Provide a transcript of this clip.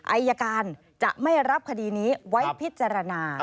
อายการจะไม่รับคดีนี้ไว้พิจารณา